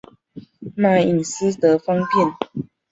卖隐私得方便